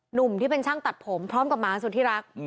หนุ่มที่เป็นช่างตัดผมพร้อมกับหมาสุธิรัก